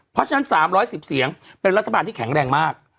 เพราะฉะนั้น๓๑๐เสียงเป็นรัฐบาลที่แข็งแรงมาก